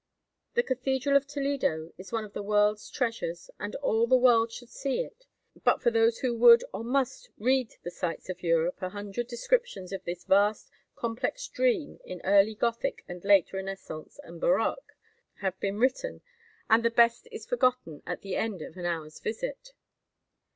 The Cathedral of Toledo is one of the world's treasures, and all the world should see it; but for those who would or must read the sights of Europe a hundred descriptions of this vast, complex dream in early Gothic and late Renaissance and baroque have been written; and the best is forgotten at the end of an hour's visit.